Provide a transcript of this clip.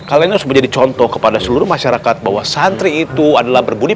kalian harus menjadi contoh kepada seluruh masyarakat bahwa santri itu adalah berbudi